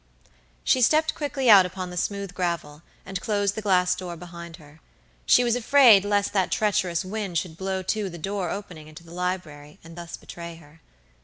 She stepped quickly out upon the smooth gravel, and closed the glass door behind her. She was afraid lest that treacherous wind should blow to the door opening into the library, and thus betray her.